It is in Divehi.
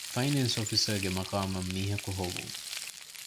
ފައިނޭންސް އޮފިސަރގެ މަޤާމަށް މީހަކު ހޮވުން